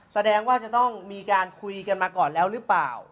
แสดงว่าจะต้องมีการคุยกันมาก่อนแล้วหรือเปล่า